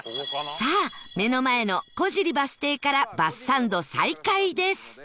さあ目の前の湖尻バス停からバスサンド再開です